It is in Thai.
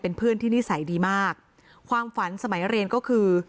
เพื่อนที่นิสัยดีมากความฝันสมัยเรียนก็คือ